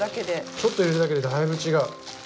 ちょっと入れるだけでだいぶ違う。